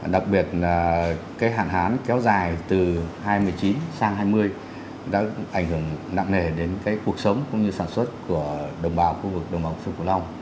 đặc biệt là cái hạn hán kéo dài từ hai mươi chín sang hai mươi đã ảnh hưởng nặng nề đến cái cuộc sống cũng như sản xuất của đồng bào khu vực đồng bào phương phủ long